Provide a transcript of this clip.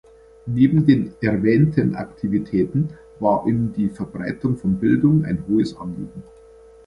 Neben den erwähnten Aktivitäten war ihm die Verbreitung von Bildung ein hohes Anliegen.